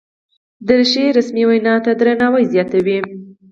دریشي رسمي وینا ته درناوی زیاتوي.